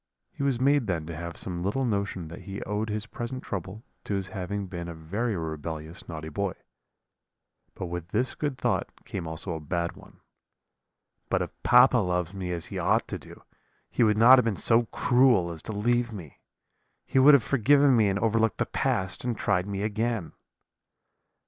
He was made then to have some little notion that he owed his present trouble to his having been a very rebellious naughty boy; but with this good thought came also a bad one: 'But if papa loves me as he ought to do, he would not have been so cruel as to leave me. He would have forgiven me and overlooked the past, and tried me again.'